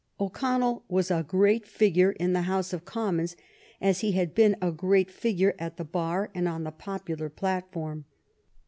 O'Connell was a great figure in the House of Commons, as he had been a great figure at the bar and on the popular platform.